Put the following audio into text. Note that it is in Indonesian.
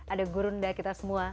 ada gurunda kita semua